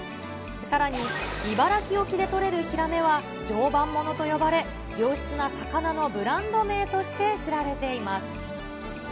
さらに茨城沖でとれるヒラメは、常磐ものと呼ばれ、良質な魚のブランド名として知られています。